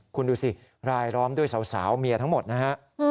คุณดูสิรายล้อมด้วยสาวเมียทั้งหมดนะฮะ